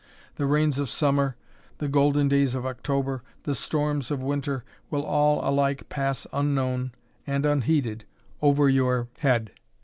The rains of Summer, the golden days of October, the storms of Winter, will all alike pass unknown and unheeded over your head.